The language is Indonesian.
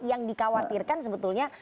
yang dikhawatirkan sebetulnya